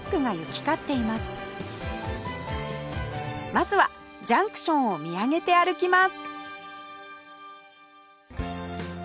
まずはジャンクションを見上げて歩きます